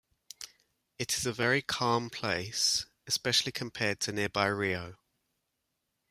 It is a very calm place, especially compared to nearby Rio.